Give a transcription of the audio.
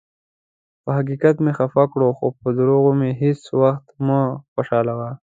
پۀ حقیقت مې خفه کړه، خو پۀ دروغو مې هیڅ ؤخت مه خوشالؤه.